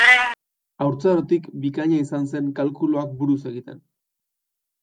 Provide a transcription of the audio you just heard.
Haurtzarotik bikaina izan zen kalkuluak buruz egiten.